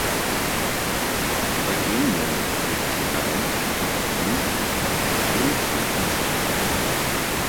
Eugenie "blickt hinein" und erkennt "des Königs Hand und Siegel!